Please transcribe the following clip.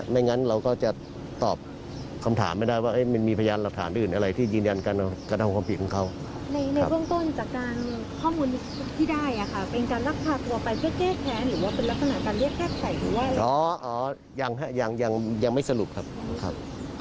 ไม่งั้นเราก็จะตอบคำถามไม่ได้ว่ามันมีพยานหลักฐานอะไรที่ยินยันการกระทั่งความพิจันเขา